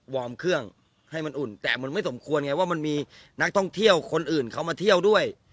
เครื่องให้มันอุ่นแต่มันไม่สมควรไงว่ามันมีนักท่องเที่ยวคนอื่นเขามาเที่ยวด้วย